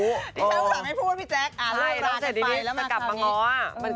พี่แช๊วสามารถไม่พูดพี่แจ๊คอ่ะเรากันไปแล้วมากันอีกใช่แล้วเสร็จดีนี้จะกลับมาง้อ